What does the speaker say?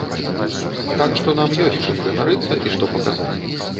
Так што нам ёсць чым ганарыцца і што паказаць.